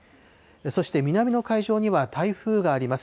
そして南の海上には台風があります。